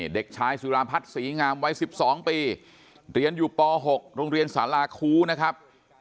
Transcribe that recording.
เด็กชายสุราพัฒน์ศรีงามวัย๑๒ปีเรียนอยู่ป๖โรงเรียนสาราคูนะครับ